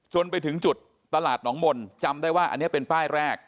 จนไปถึงจุดตลาดหนองมนต์จำได้ว่าอันนี้เป็นป้ายแรก